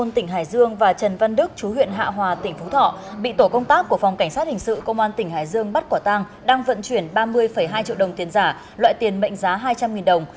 trần văn đức chú huyện hạ hòa tỉnh phú thọ bị tổ công tác của phòng cảnh sát hình sự công an tỉnh hải dương bắt quả tang đang vận chuyển ba mươi hai triệu đồng tiền giả loại tiền mệnh giá hai trăm linh đồng